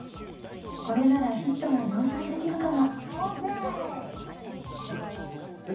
これならヒットが量産できるかも！